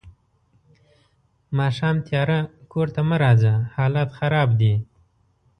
ماښام تیارۀ کور ته مه راځه حالات خراب دي.